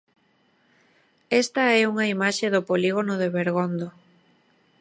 Esta é unha imaxe do polígono de Bergondo.